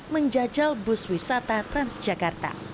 menjajal bus wisata transjakarta